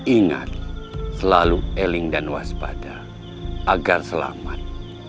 ingat selalu eling dan waspada agar selamat